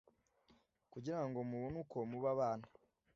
kugira ngo mubone uko muba abana